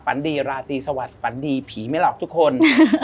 ฝันดีราตรีสวัสดิฝันดีผีไม่หลอกทุกคน